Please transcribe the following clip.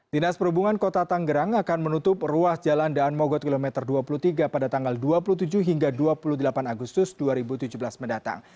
dinas perhubungan kota tanggerang akan menutup ruas jalan daan mogot kilometer dua puluh tiga pada tanggal dua puluh tujuh hingga dua puluh delapan agustus dua ribu tujuh belas mendatang